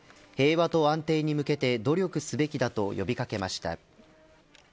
平和と安定に向けて努力すべきだと呼び掛けました。